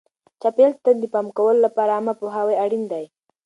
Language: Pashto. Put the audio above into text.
چاپیریال ته د پام کولو لپاره عامه پوهاوی اړین دی.